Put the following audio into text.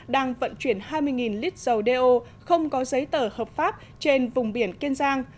đang vận chuyển hai mươi lít dầu đeo không có giấy tờ hợp pháp trên vùng biển kiên giang